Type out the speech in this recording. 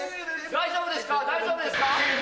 大丈夫ですか、大丈夫ですか。